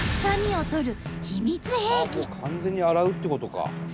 もう完全に洗うっていうことか。